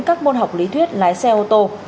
các môn học lý thuyết lái xe ô tô